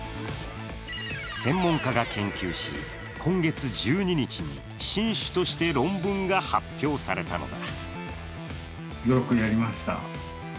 専門家が研究し、今月１２日に新種として論文が発表されたのだ。